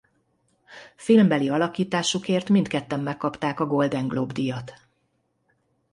Filmbeli alakításukért mindketten megkapták a Golden Globe-díjat.